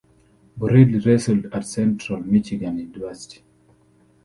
Borrelli wrestled at Central Michigan University.